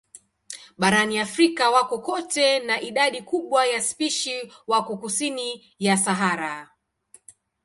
Barani Afrika wako kote na idadi kubwa ya spishi wako kusini ya Sahara.